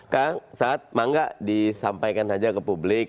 kang ustaz maka nggak disampaikan saja ke publik